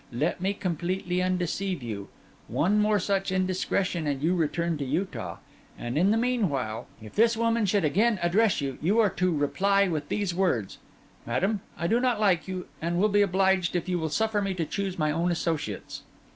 Let me completely undeceive you. One more such indiscretion and you return to Utah. And, in the meanwhile, if this woman should again address you, you are to reply with these words: "Madam, I do not like you, and I will be obliged if you will suffer me to choose my own associates."